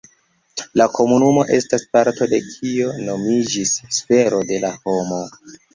La komunumo estas parto de kio nomiĝis sfero de la homo.